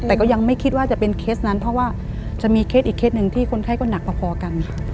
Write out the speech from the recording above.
แต่ก็ยังไม่คิดว่าจะเป็นเคสนั้นเพราะว่าจะมีเคสอีกเคสหนึ่งที่คนไข้ก็หนักพอกัน